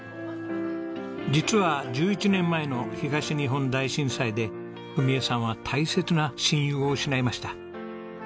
実は１１年前の東日本大震災で史枝さんは大切な親友を失いました。